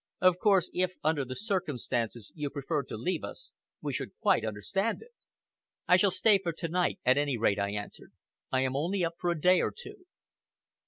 "Of course, if, under the circumstances, you preferred to leave us, we should quite understand it!" "I shall stay for to night, at any rate," I answered. "I am only up for a day or two."